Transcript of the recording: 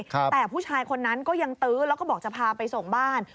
แต่ผู้ชายคนนั้นก็ยังตื้อแล้วก็บอกจะพาไปส่งบ้าน